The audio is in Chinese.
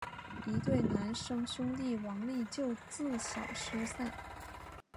一对孪生兄弟王利就自小失散。